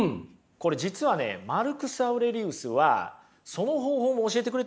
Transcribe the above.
これ実はねマルクス・アウレリウスはその方法も教えてくれてるんですよ。